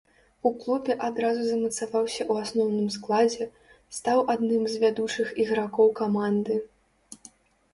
У клубе адразу замацаваўся ў асноўным складзе, стаў адным з вядучых ігракоў каманды.